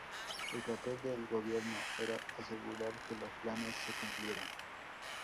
El papel del gobierno era asegurar que los planes se cumplieran.